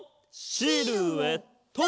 シルエット！